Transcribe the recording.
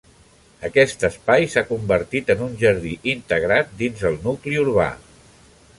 Aquest espai s'ha convertit en un jardí integrat dins el nucli urbà.